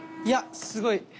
いやすごい。